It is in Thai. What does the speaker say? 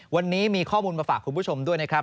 วันนี้มีข้อมูลมาฝากคุณผู้ชมด้วยนะครับ